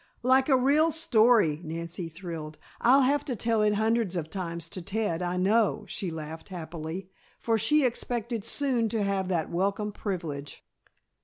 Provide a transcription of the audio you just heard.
"Like a real story," Nancy thrilled. "I'll have to tell it hundreds of times to Ted, I know," she laughed happily, for she expected soon to have that welcome privilege.